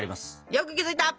よく気付いた！